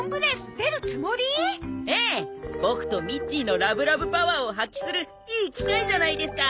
ボクとミッチーのラブラブパワーを発揮するいい機会じゃないですか。